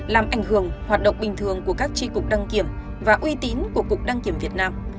làm ảnh hưởng hoạt động bình thường của các tri cục đăng kiểm và uy tín của cục đăng kiểm việt nam